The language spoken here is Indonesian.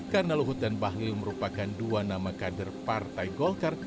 karena luhut dan bahlil merupakan dua nama kader partai golkar